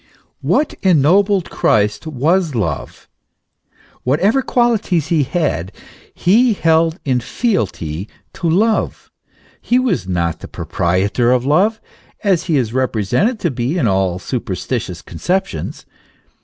What ennobled Christ was love ; whatever qualities he had, he held in fealty to love ; he was not the proprietor of love, as he is represented to be in all superstitious conceptions.